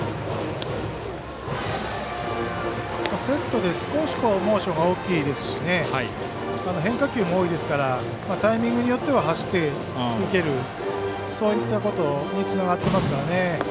セットで少しモーションが大きいですし変化球も多いですからタイミングによって走っていける、そういったことにつながってますからね。